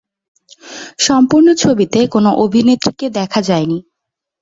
সম্পূর্ণ ছবিতে কোন অভিনেত্রীকে দেখা যায়নি।